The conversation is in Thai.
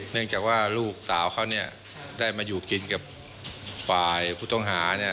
เนื่องจากว่าลูกสาวเขาเนี่ยได้มาอยู่กินกับฝ่ายผู้ต้องหาเนี่ย